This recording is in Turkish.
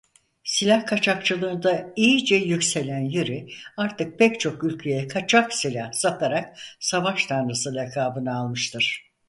Silah kaçakçılığında iyice yükselen Yuri artık pek çok ülkeye kaçak silah satarak Savaş Tanrısı lakabını almıştır.